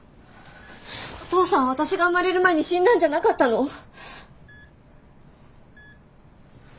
お父さん私が生まれる前に死んだんじゃなかったの？